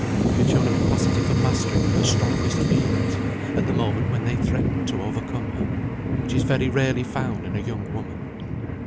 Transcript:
She had shown a capacity for mastering her strongest feelings, at the moment when they threatened to overcome her, which is very rarely found in a young woman.